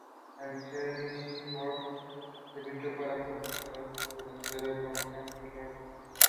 Her father was Andrew Hans Latimer and her mother Henriette Norton.